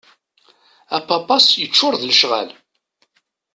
Apapas yeččur d lecɣal.